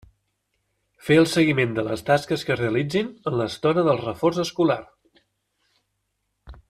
Fer el seguiment de les tasques que realitzin en l'estona del reforç escolar.